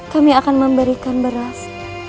kami akan memberikan beras